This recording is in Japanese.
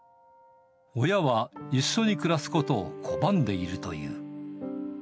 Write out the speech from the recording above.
親は一緒に暮らすことを拒んでいるという。